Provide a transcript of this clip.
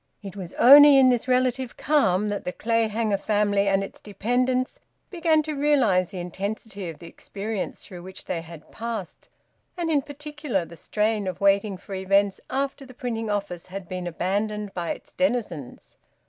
It was only in this relative calm that the Clayhanger family and its dependants began to realise the intensity of the experience through which they had passed, and, in particular, the strain of waiting for events after the printing office had been abandoned by its denizens.